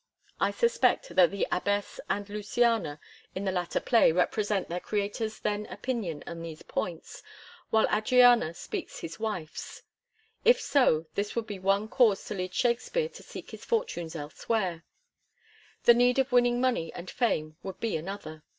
I suspect that the Ahbess and Luciana in the latter play represent their creator's then opinion on these points, while Adriana speaks his wife^s.^ If so, this would be one cause to lead Shakspere to seek his fortunes elsewhere. The need of winning money and fame would be another.